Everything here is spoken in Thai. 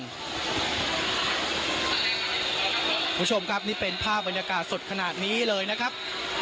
คุณผู้ชมครับนี่เป็นภาพบรรยากาศสดขนาดนี้เลยนะครับ